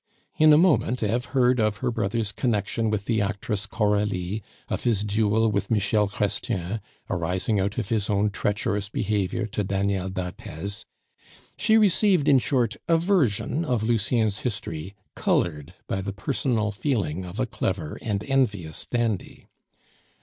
In a moment Eve heard of her brother's connection with the actress Coralie, of his duel with Michel Chrestien, arising out of his own treacherous behavior to Daniel d'Arthez; she received, in short, a version of Lucien's history, colored by the personal feeling of a clever and envious dandy.